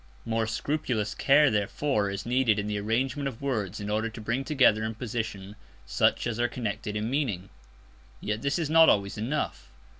More scrupulous care therefore is needed in the arrangement of words in order to bring together in position such as are connected in meaning. Yet this is not always enough.